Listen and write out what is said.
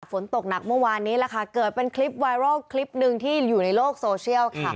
ฝนตกหนักเมื่อวานนี้แหละค่ะเกิดเป็นคลิปไวรัลคลิปหนึ่งที่อยู่ในโลกโซเชียลค่ะ